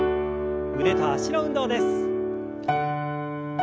腕と脚の運動です。